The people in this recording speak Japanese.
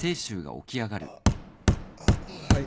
ああっはい。